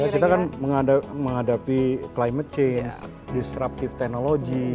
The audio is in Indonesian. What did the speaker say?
kita kan menghadapi climate change disruptive technology